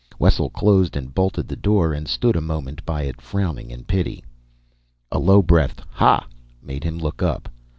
Wessel closed and bolted the door and stood a moment by it, frowning in pity. A low breathed "Ha!" made him look up.